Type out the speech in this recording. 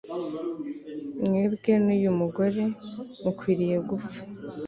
mwebwe n uyu mugore mukwiriye gupfa